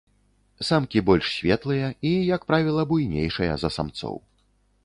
Самкі больш светлыя і, як правіла, буйнейшыя за самцоў.